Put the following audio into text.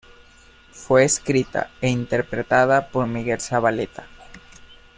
Fue escrita e interpretada por Miguel Zavaleta.